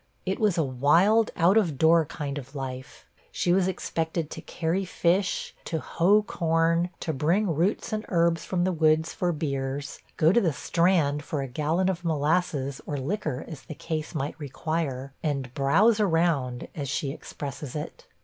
It was a wild, out of door kind of lief. She was expected to carry fish, to hoe corn, to bring roots and herbs from the woods for beers, go to the Strand for a gallon of molasses or liquor as the case might require, and 'browse around,' as she expresses it.